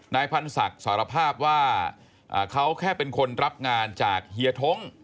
พันศักดิ์สารภาพว่าเขาแค่เป็นคนรับงานจากเฮียท้ง